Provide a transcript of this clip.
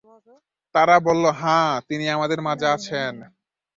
তারা বলল, হ্যাঁ, তিনি আমাদের মাঝে আছেন।